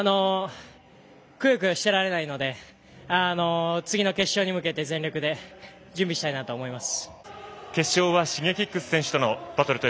くよくよしていられないので次の決勝に向けて全力で準備したいなと思います。